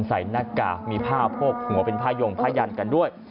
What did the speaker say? หน้ากากมีผ้าโพกหัวเป็นผ้ายงผ้ายันกันด้วย